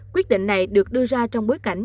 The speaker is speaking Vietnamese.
quyết định này được đưa ra trong bối cảnh